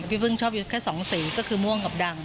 พี่พึ่งชอบยึดแค่๒สีก็คือม่วงกับดำ